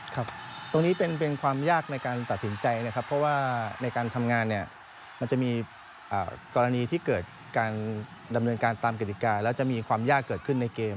ครับตรงนี้เป็นความยากในการตัดสินใจนะครับเพราะว่าในการทำงานเนี่ยมันจะมีกรณีที่เกิดการดำเนินการตามกฎิกาแล้วจะมีความยากเกิดขึ้นในเกม